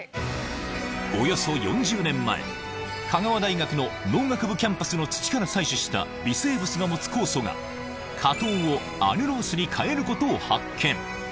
およそ４０年前香川大学の農学部キャンパスの土から採取した微生物が持つ酵素が果糖をアルロースに変えることを発見